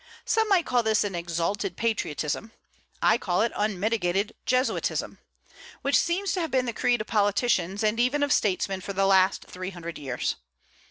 Some might call this an exalted patriotism, I call it unmitigated Jesuitism; which seems to have been the creed of politicians, and even of statesmen, for the last three hundred years.